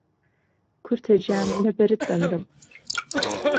کورته گیان له بهرت دهمرم